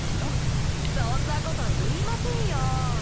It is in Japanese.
そんなこと言いませんよ。